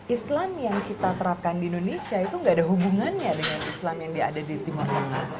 islam yang kita terapkan di indonesia itu tidak ada hubungannya dengan islam yang ada di timur tengah